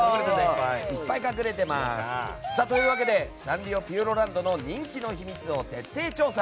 いっぱい隠れてます！というわけでサンリオピューロランドの人気の秘密を徹底調査。